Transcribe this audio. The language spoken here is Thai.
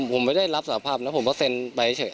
ผมไม่ได้รับสารภาพนะผมก็เซ็นไปเฉย